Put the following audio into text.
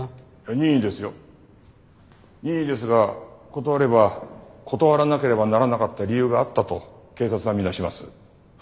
任意ですが断れば断らなければならなかった理由があったと警察は見なします。